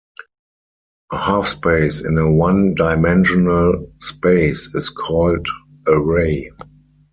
A half-space in a one-dimensional space is called a ray.